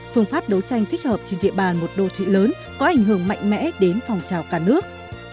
phương pháp đấu tranh thích hợp trên địa bàn một đô thị lớn có ảnh hưởng mạnh mẽ đến phòng trào cả nước